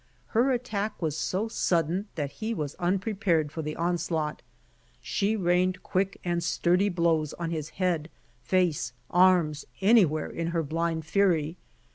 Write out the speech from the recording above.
Her attack was so sudden that he was unprepared for the onslaught. She rained quick and sturdy blows on his head, face, arms, anywhere in her blind fury.